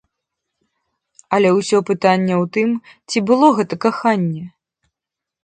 Але ўсё пытанне ў тым, ці было гэта каханне.